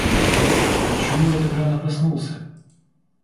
Почему я так рано проснулся?